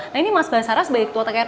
nah ini mas basarah sebagai ketua tkrpp